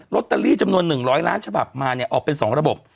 รอตเตอรี่จำนวนหนึ่งร้อยล้านฉบับมาเนี่ยออกเป็นสองระบบ